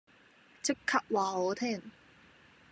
即刻話我聽